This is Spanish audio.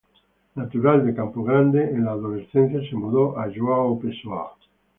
Natural de Campo Grande, en la adolescencia se mudó a João Pessoa.